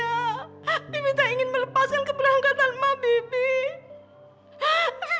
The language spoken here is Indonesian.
bibik teh ingin melepaskan keberangkatan ma bibik